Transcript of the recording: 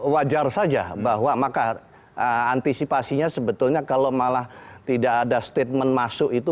wajar saja bahwa maka antisipasinya sebetulnya kalau malah tidak ada statement masuk itu